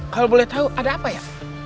kalau boleh tahu ada apa ya